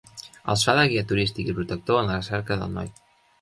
Els fa de guia turístic i protector en la recerca del noi.